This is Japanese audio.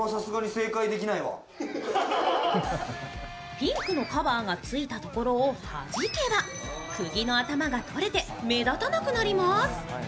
ピンクのカバーがついたところをはじけば、くぎの頭が取れて目立たなくなります。